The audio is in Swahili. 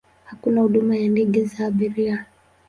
Hakuna huduma ya ndege za abiria.